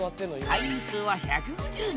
会員数は１５０人。